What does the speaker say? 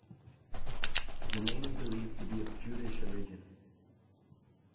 The name is believed to be of Jutish origin.